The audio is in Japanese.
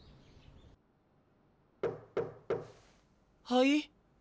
はい？